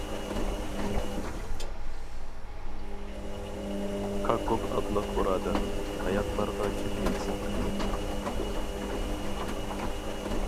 كاككۇك ئاتلىق بۇرادەر، قاياقلارغا كەتكەنسەن؟ .